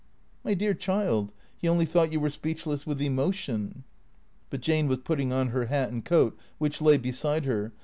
My dear child, he only thought you were speechless with emotion." But Jane was putting on her hat and coat which lay beside her.